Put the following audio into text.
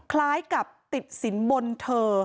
คล้ายกับติดสินบนเธอ